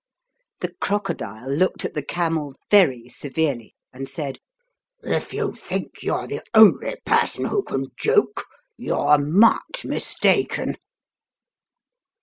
The crocodile looked at the camel very severely and said, "If you think you are the only person who can joke, you're much mistaken."